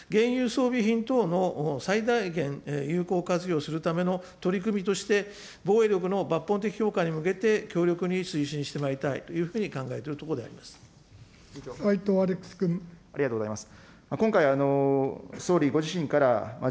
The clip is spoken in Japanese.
私はこうした持続性強じん性の強化を、装備品等の最大限有効活用するための取り組みとして、防衛力の抜本的強化に向けて、強力に推進してまいりたいというふうに考えているところでございます。